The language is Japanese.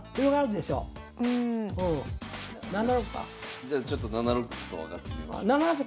じゃあちょっと７六歩と上がってみます。